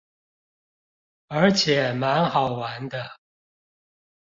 而且滿好玩的